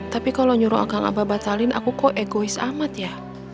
tapi kalau nyuruh akal abah batalin aku kok egois amat ya